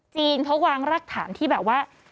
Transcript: จีนเขาวางรากฐานที่แบบว่า